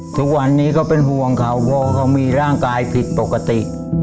ทุกวันนี้ก็เป็นห่วงเขาพ่อเขามีร่างกายผิดปกติ